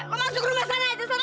lu masuk rumah sana aja